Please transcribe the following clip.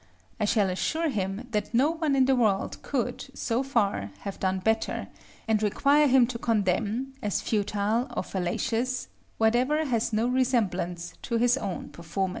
I shall assure him that no one in the world could, so far, have done better, and require him to condemn, as futile or fallacious, whatever has no resemblance to his own performances.